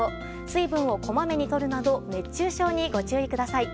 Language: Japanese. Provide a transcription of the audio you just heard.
水分をこまめにとるなど熱中症にご注意ください。